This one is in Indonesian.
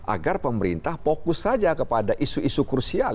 agar pemerintah fokus saja kepada isu isu krusial